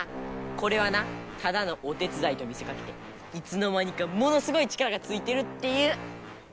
これはなただのお手つだいと見せかけていつの間にかものすごい力がついてるっていうアレや。